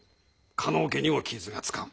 加納家にも傷がつかん。